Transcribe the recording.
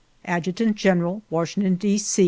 "Adjutant General, "Washington, D.